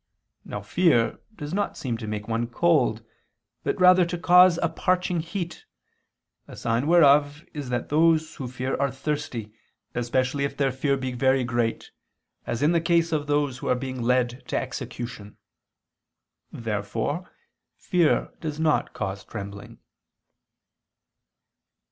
Now fear does not seem to make one cold, but rather to cause a parching heat: a sign whereof is that those who fear are thirsty, especially if their fear be very great, as in the case of those who are being led to execution. Therefore fear does not cause trembling.